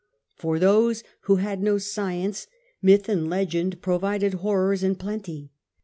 For those who had no science, myth and legend provided horrors in plenty.